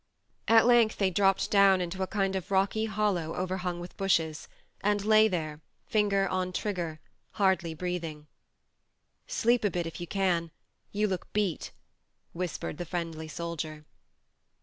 ... At length they dropped down into a kind of rocky hollow overhung with bushes, and lay there, finger on trigger, hardly breathing. " Sleep a bit if you can you look beat," whispered the friendly soldier.